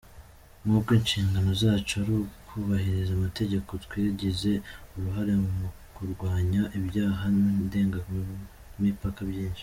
Nk’uko inshingano zacu ari ukubahiriza amategeko, twagize uruhare mu kurwanya ibyaha ndengamipaka byinshi.